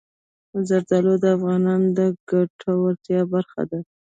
زردالو د افغانانو د ګټورتیا برخه ده.